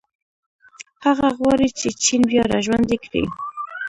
هغه غواړي چې چین بیا راژوندی کړي.